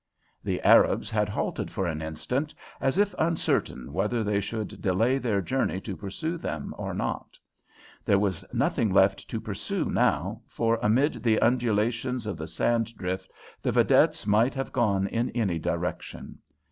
The Arabs had halted for an instant, as if uncertain whether they should delay their journey to pursue them or not. There was nothing left to pursue now, for amid the undulations of the sand drift the vedettes might have gone in any direction.